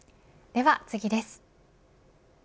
では次です。